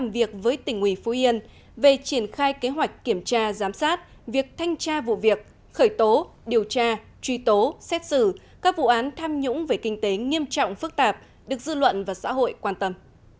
việc tỉnh ủy phú yên về triển khai kế hoạch kiểm tra giám sát việc thanh tra vụ việc khởi tố điều tra truy tố xét xử các vụ án tham nhũng về kinh tế nghiêm trọng phức tạp được dư luận và xã hội quan tâm